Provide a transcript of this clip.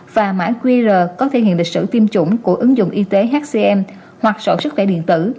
và mã qr có thể hiện lịch sử tiêm chủng của ứng dụng y tế hcm hoặc sổ sức khỏe điện tử